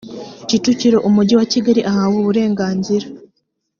kicukiro umujyi wa kigali ahawe uburenganzira